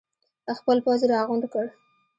خپل پوځ یې راغونډ کړ.